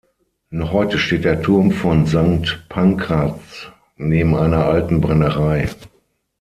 Noch heute steht der Turm von Sankt Pankraz neben einer alten Brennerei.